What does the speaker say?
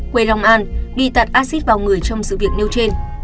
quê long an bị tật acid vào người trong sự việc nêu trên